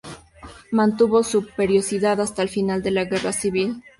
Mantuvo su periodicidad hasta el final de la Guerra Civil.